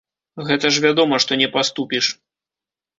Гэта ж вядома, што не паступіш.